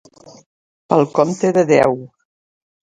Pel compte de Déu.